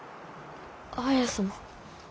綾様。